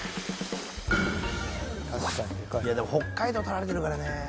北海道取られてるからね。